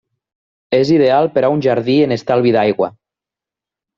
És ideal per a un jardí en estalvi d'aigua.